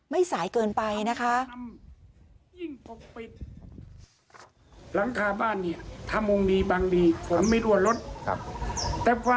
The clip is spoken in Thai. ไม่สายเกินไปนะคะ